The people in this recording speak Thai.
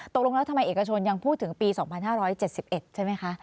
ตกลงแล้วทำไมเอกชนยังพูดถึงปีสองพันห้าร้อยเจ็ดสิบเอ็ดใช่ไหมคะ